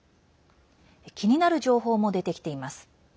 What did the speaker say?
気になる情報も出てきています。